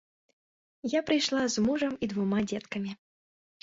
Я прыйшла з мужам і двума дзеткамі.